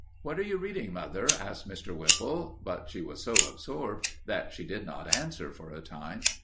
"What are you reading, mother?" asked Mr. Whipple, but she was so absorbed that she did not answer for a time.